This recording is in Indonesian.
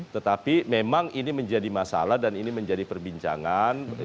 tetapi memang ini menjadi masalah dan ini menjadi perbincangan